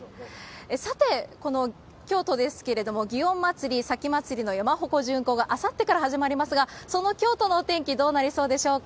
さて、この京都ですけれども、祇園祭、前祭の山鉾巡行があさってから始まりますが、その京都のお天気、どうなりそうでしょうか。